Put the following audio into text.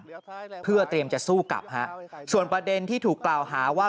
ทุกอย่างเพื่อเตรียมจะสู้กับส่วนประเด็นที่ถูกกล่าวหาว่า